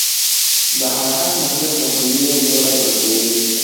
د حرکت مسیر د قوې لوری بدلوي.